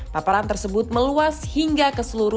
paparan tersebut meluas hingga ke seluruh